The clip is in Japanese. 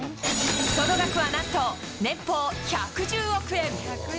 その額はなんと、年俸１１０億円。